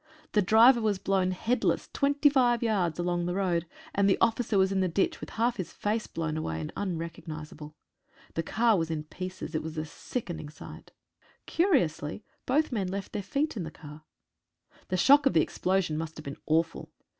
The driver was blown headless 25 yards along the road, and the officer was in the ditch with half his face blown away and unrecognisable. The car was in pieces. Tt was a 9G BATTLE OF HOOGE. sickening sight. Curiously both men left their feet in the car. The shock of the explosion must have been awful.